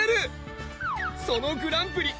そのグランプリ！